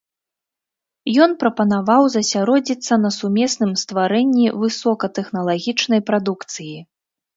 Ён прапанаваў засяродзіцца на сумесным стварэнні высокатэхналагічнай прадукцыі.